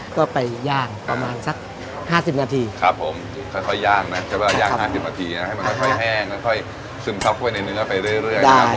ครับเร่งอย่าง๕๐นาทีนะให้ยังแล้วก็ซึมซับไปเรื่อย